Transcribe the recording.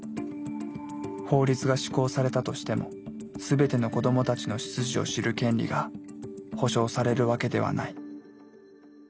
法律が施行されたとしても全ての子どもたちの出自を知る権利が保障されるわけではない。